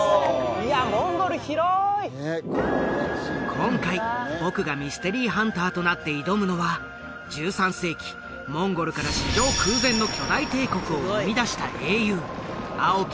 今回僕がミステリーハンターとなって挑むのは１３世紀モンゴルから史上空前の巨大帝国を生み出した英雄蒼き